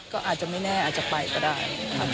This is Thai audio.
ก็อาจจะไม่แน่อาจจะไปก็ได้ครับ